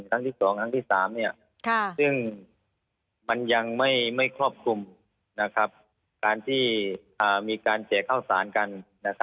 ที่๑ที่๒ที่๓นี่ซึ่งมันยังไม่ขอบคุมการที่มีการแบ่งเข้าสารกัน